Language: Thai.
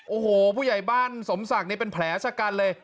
โอ้โหผู้ใหญ่บ้านสมศักดิ์นี่เป็นแผลชะกันเลย